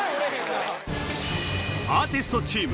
アーティストチーム